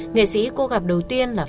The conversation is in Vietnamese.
nghệ sĩ cô gặp đầu tiên là phạm